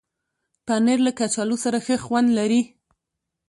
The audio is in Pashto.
پنېر له کچالو سره ښه خوند لري.